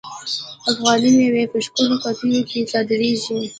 افغاني میوې په ښکلو قطیو کې صادریږي.